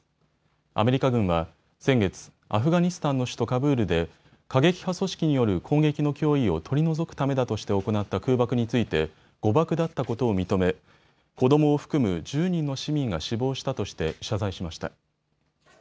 アメリカ軍は先月アフガニスタンの首都カブールで過激派組織による攻撃の脅威を取り除くためだとして行った空爆について誤爆だったことを認め、子どもを含む１０人の市民が死亡したとして謝罪しました。